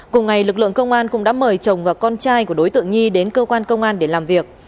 cùng ngày lực lượng công an cũng đã mời chồng và con trai của đối tượng nhi đến cơ quan công an để làm việc